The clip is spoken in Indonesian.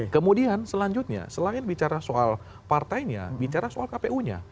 kemudian selanjutnya selain bicara soal partainya bicara soal kpu nya